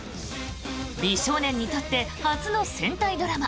美少年にとって初の戦隊ドラマ。